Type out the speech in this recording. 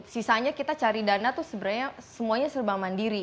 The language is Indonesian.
sisanya kita cari dana itu sebenarnya semuanya serba mandiri